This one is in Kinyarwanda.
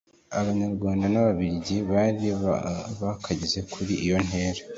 Abanyarwanda n Ababirigi bari bakageze kuri iyo ntera